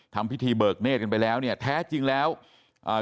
ทำพิธีเบิกเนธกันไปแล้วเนี่ยแท้จริงแล้วอ่า